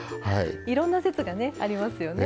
いろんな説がねありますよね。